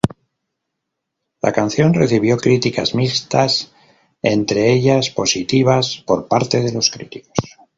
La canción recibió críticas mixtas, entre ellas positivas por parte de los críticos.